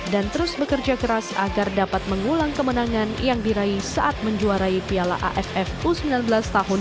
dan terus bekerja keras agar dapat mengulang kemenangan yang diraih saat menjuarai piala aff dua ribu sembilan belas tahun dua ribu tiga belas